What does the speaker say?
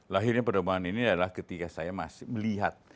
lahirnya perdomaan ini adalah ketika saya masih melihat